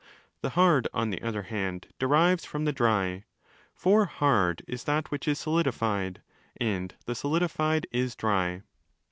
'The hard', on the other hand, derives from the dry: for 'hard' is that which is solidified, and the solidified is dry.